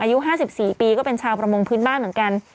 อายุ๕๔ปีก็เป็นชาวประมงพื้นบ้านเหมือนกัน